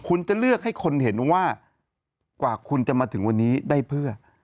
คุณจะเลือกให้คนเห็นว่ากว่าคุณจะมาถึงวันนี้ได้เพื่อ